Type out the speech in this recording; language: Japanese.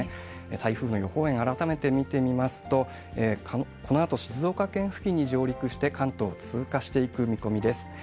台風の予報円、改めて見てみますと、このあと静岡県付近に上陸して、関東を通過していく見込みです。